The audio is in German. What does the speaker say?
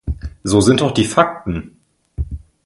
So sind doch die Fakten!